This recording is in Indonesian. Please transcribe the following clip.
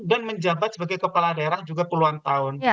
dan menjabat sebagai kepala daerah juga puluhan tahun